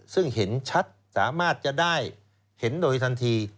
ซึ่งเห็นชัดสามารถจะได้เห็นโดยทันที